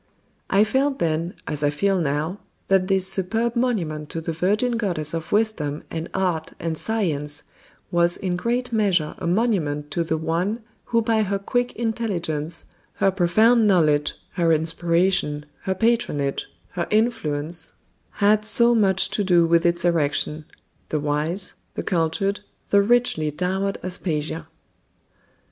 I felt then, as I feel now, that this superb monument to the virgin goddess of wisdom and art and science was in great measure a monument to the one who by her quick intelligence, her profound knowledge, her inspiration, her patronage, her influence, had so much to do with its erection the wise, the cultured, the richly dowered Aspasia.